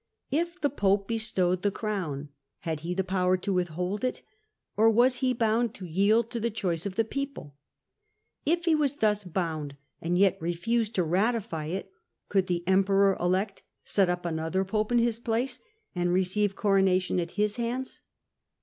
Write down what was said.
K the pope be stowed the crown, had he the power to withhold it, or was he bound to yield to the choice of the people ? If he was thus bound, and yet refused to ratify it, could the emperor elect set up another pope in his place, and receive coronation at his hands.